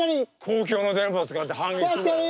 公共の電波を使って反撃するわよ。